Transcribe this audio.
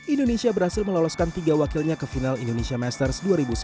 indonesia berhasil meloloskan tiga wakilnya ke final indonesia masters dua ribu sembilan belas